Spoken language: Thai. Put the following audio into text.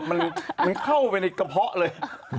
มันเข้าไปในกระเพาะเลย